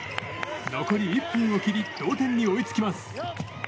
残り１分を切り同点に追いつきます。